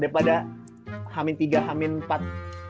daripada hamil tiga hamil empat